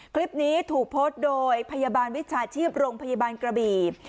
คลิปนี้ถูกโพสต์โดยพยาบาลวิชาชีพโรงพยาบาลกระบี่